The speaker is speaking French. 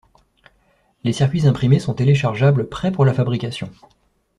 Les circuits imprimés sont téléchargeables prêt pour la fabrication.